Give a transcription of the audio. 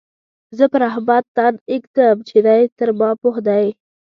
زه پر احمد تن اېږدم چې دی تر ما پوه دی.